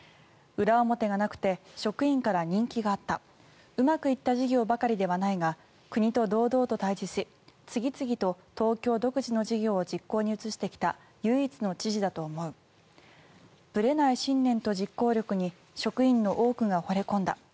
裏表がなくて職員から人気があったうまくいった事業ばかりではないが、国と堂々と対峙し次々と東京独自の事業を実行に移してきた唯一の知事だと思うぶれない信念と実行力に職員の多くがほれ込んだ